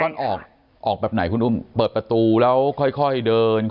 ตอนออกออกแบบไหนคุณอุ้มเปิดประตูแล้วค่อยเดิน